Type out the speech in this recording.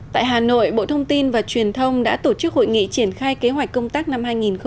tại hà nội bộ thông tin và truyền thông đã tổ chức hội nghị triển khai kế hoạch công tác năm hai nghìn hai mươi